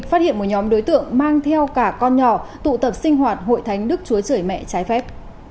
phát hiện một nhóm đối tượng mang theo cả con nhỏ tụ tập sinh hoạt hội thánh đức chúa trời mẹ trái phép